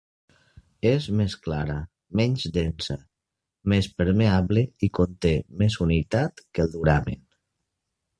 És més clara, menys densa, més permeable i conté més humitat que el duramen.